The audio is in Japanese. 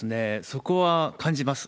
そこは感じます。